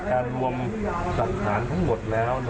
การรวมฐานทั้งหมดแล้ว